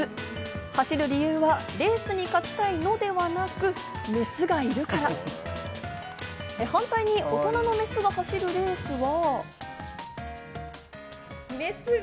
走る理由はレースに勝ちたいのではなく、メスがいるから反対に大人のメスが走るレースは。